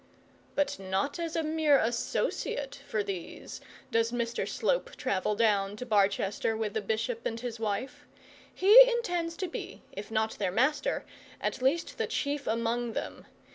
But not as a mere associate for those does Mr Slope travel down to Barchester with the bishop and his wife. He intends to be, if not their master, at least the chief among them.